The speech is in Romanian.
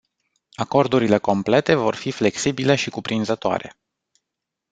Acordurile complete vor fi flexibile și cuprinzătoare.